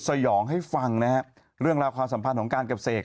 สยองให้ฟังนะฮะเรื่องราคาสัมพันธ์ของกัลเกียรติเศก